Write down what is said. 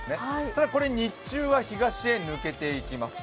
ただ日中は東へ抜けていきます。